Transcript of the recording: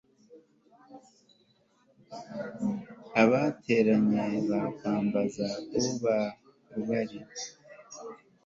abateranye bakwambaza uba ubari